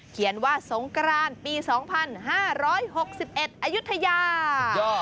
เขียนว่าสงกรานปี๒๕๖๑อายุทยา